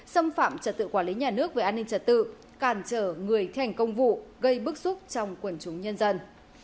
xâm phạm trật tự quản lý nhà nước về an ninh trật tự càn trở người thảnh công vụ gây bức xúc trong quần chúng nhân dân